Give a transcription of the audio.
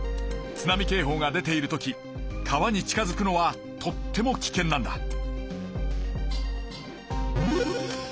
津波警報が出ている時川に近づくのはとっても危険なんだ。